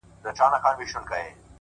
• د نامردو ګوزارونه وار په وار سي ,